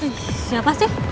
ih siapa sih